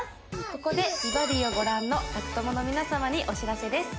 ここで「美バディ」をご覧の宅トモの皆様にお知らせです